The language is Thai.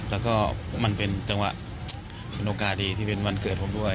แล้วก็มันเป็นจังหวะเป็นโอกาสดีที่เป็นวันเกิดผมด้วย